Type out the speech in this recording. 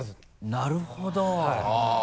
なるほど。